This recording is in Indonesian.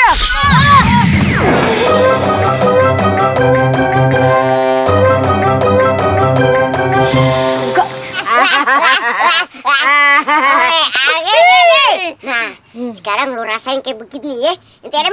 yang ada menjadi tidak